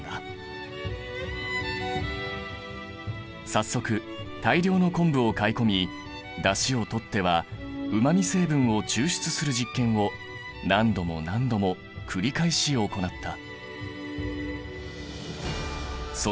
早速大量の昆布を買い込みだしをとってはうま味成分を抽出する実験を何度も何度も繰り返し行った。